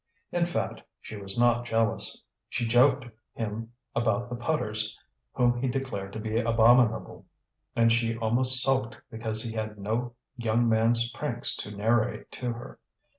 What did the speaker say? In fact, she was not jealous; she joked him about the putters, whom he declared to be abominable, and she almost sulked because he had no young man's pranks to narrate to her.